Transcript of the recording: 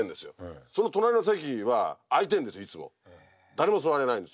誰も座れないんですよ。